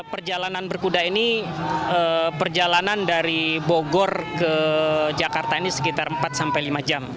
perjalanan berkuda ini perjalanan dari bogor ke jakarta ini sekitar empat sampai lima jam